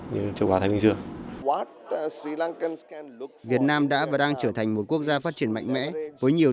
như châu á thái bình dương việt nam đã và đang trở thành một quốc gia phát triển mạnh mẽ với nhiều